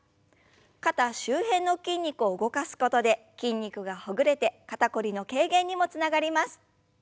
肩周辺の筋肉を動かすことで筋肉がほぐれて肩こりの軽減にもつながります。